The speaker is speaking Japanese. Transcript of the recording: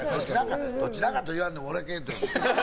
どちらかと言わんでも俺系統や。